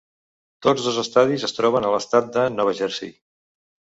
Tots dos estadis es troben a l'estat de Nova Jersey.